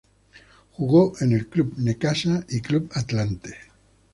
Jugó en el Club Necaxa y Club Atlante.